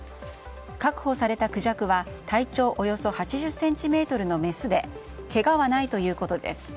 確保されたクジャクは体長およそ８０ｃｍのメスでけがはないということです。